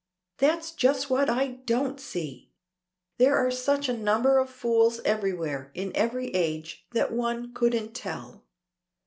"That's just what I don't see. There are such a number of fools everywhere, in every age, that one couldn't tell."